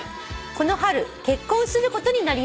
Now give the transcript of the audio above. この春結婚することになりました」